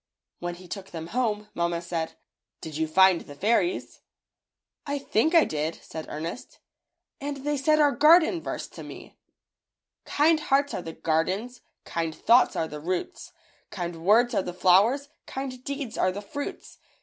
When he took them home, mamma said, "Did you And the fairies?" "I think I did," said Ernest, "and they said our ^Garden verse^ to me — 'Kind hearts are the gardens, Kind thoughts are the roots, Kind words are the flowers. Kind deeds are the fruits.